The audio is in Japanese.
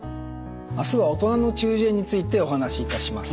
明日は「大人の中耳炎」についてお話しいたします。